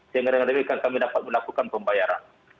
sehingga dengan demikian kami dapat melakukan pembayaran